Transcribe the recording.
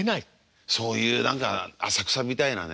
そういう何か浅草みたいなね